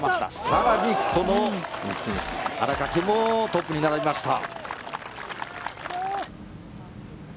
更に、この新垣もトップに並びました。